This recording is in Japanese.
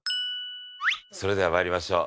それでは参りましょう。